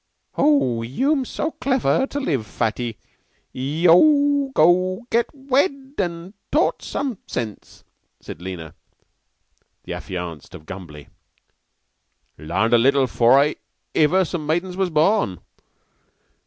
"Oh, yeou'm too clever to live, Fatty. Yeou go get wed an' taught some sense," said Lena, the affianced of Gumbly. "Larned a little 'fore iver some maidens was born.